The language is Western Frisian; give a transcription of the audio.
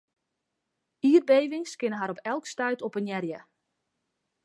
Ierdbevings kinne har op elk stuit oppenearje.